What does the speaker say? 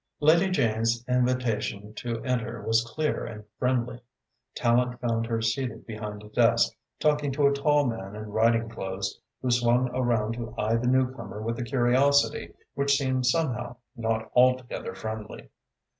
Lady Jane's invitation to enter was clear and friendly. Tallente found her seated behind a desk, talking to a tall man in riding clothes, who swung around to eye the newcomer with a curiosity which seemed somehow not altogether friendly.